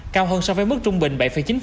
cao hơn so với mức trung bình bảy chín